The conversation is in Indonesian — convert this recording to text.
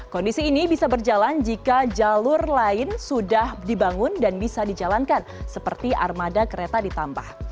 kondisi ini bisa berjalan jika jalur lain sudah dibangun dan bisa dijalankan seperti armada kereta ditambah